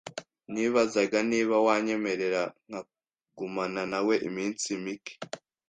Nibazaga niba wanyemerera nkagumana nawe iminsi mike.